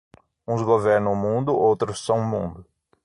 Uns governam o mundo, outros são o mundo.